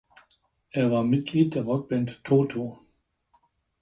Er war Mitglied der Rockband Toto.